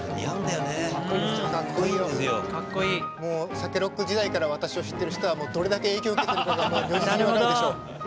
ＳＡＫＥＲＯＣＫ時代から私を知ってる人はどれだけ影響を受けてるかがもう如実に分かるでしょう。